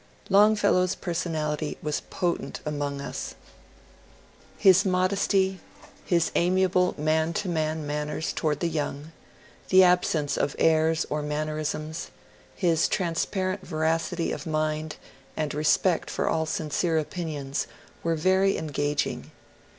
Longfellow's personality was potent among us. His modesty, 158 MONCUEE DANIEL CONWAY his amiable man to man manners toward the young, the ab sence of airs or mannerisms, his transparent veracity of mind and respect for all sincere opinions, were very engaging.